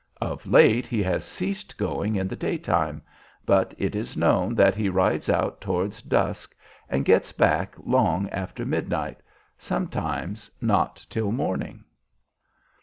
Of late he has ceased going in the daytime, but it is known that he rides out towards dusk and gets back long after midnight, sometimes not till morning.